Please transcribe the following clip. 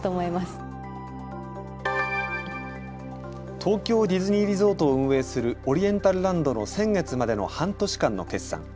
東京ディズニーリゾートを運営するオリエンタルランドの先月までの半年間の決算。